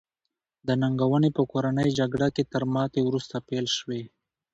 دا ننګونې په کورنۍ جګړه کې تر ماتې وروسته پیل شوې.